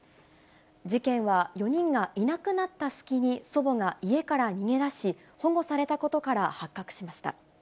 事件は４人がいなくなった隙に祖母が家から逃げ出し、保護されたことから発覚しました。